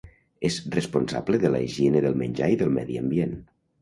És responsable de la higiene del menjar i del medi ambient.